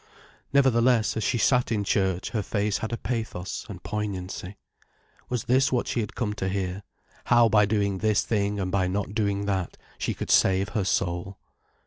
Nevertheless, as she sat in church her face had a pathos and poignancy. Was this what she had come to hear: how by doing this thing and by not doing that, she could save her soul?